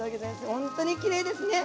ほんとにきれいですね。